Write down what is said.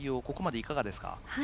ここまでいかがですか？